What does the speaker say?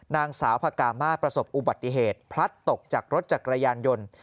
นางสาวพระกามาประสบอุบัติเหตุพลัดตกจากรถจักรยานยนต์